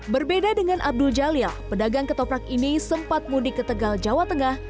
berbeda dengan abdul jalil pedagang ketoprak ini sempat mudik ke tegal jawa tengah